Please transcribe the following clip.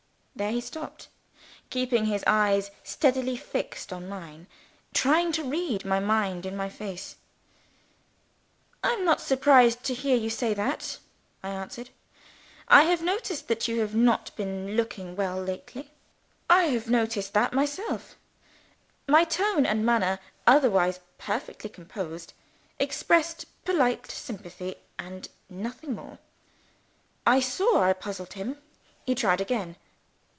There he stopped; keeping his eyes steadily fixed on mine, trying to read my mind in my face. "I am not surprised to hear you say that," I answered. "I have noticed that you have not been looking well lately." My tone and manner (otherwise perfectly composed) expressed polite sympathy and nothing more. I saw I puzzled him. He tried again.